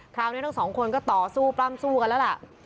ทั้งสองคนก็ต่อสู้ปล้ำสู้กันแล้วล่ะ